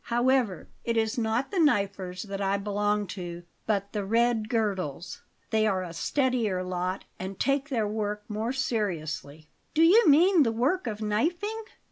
However, it is not the 'Knifers' that I belong to, but the 'Red Girdles.' They are a steadier lot, and take their work more seriously." "Do you mean the work of knifing?"